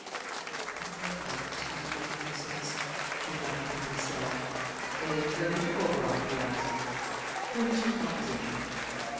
"It would be a terrible nuisance," he muttered to himself, and then turning to Oberon he asked: "What is your proposition?"